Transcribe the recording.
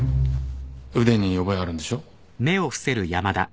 腕に覚えあるんでしょ？